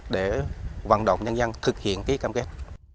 để vận động nhân dân thực hiện ký cam kết